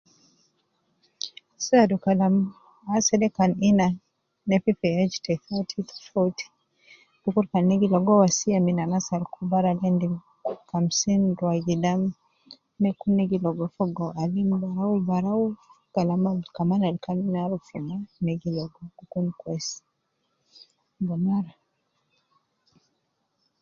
Saadu kalam asede kan ina, ne fifi age te fourty to fourty dukur kan na gi ligo wasiya min anas al kubar al endi kamsin rua gidam nekun negiligo fogo aalim barau barau kalama ab kaman kannaruf ma nagilogo ,gikun kwesi bumara